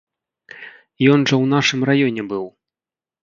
Ён жа ў нашым раёне быў.